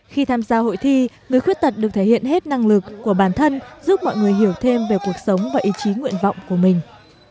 khi tham gia hội thi người khuyết tật được thể hiện hết năng lực của bản thân giúp mọi người hiểu thêm về cuộc sống và ý chí nguyện vọng của mình